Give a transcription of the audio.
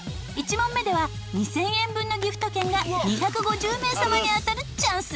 １問目では２０００円分のギフト券が２５０名様に当たるチャンス。